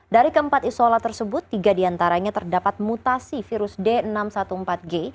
dari keempat isolat tersebut tiga diantaranya terdapat mutasi virus d enam ratus empat belas g